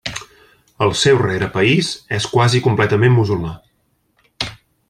El seu rerepaís és quasi completament musulmà.